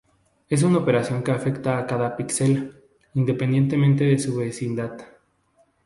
Es una operación que afecta a cada pixel, independiente de su vecindad.